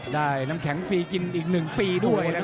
น้ำแข็งฟรีกินอีก๑ปีด้วยนะครับ